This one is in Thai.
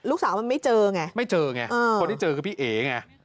ลูกสาวมันไม่เจอไงไม่เจอไงคนที่เจอคือพี่เอ๋ไง